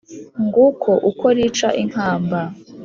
Nguko ukwo rica inkamba,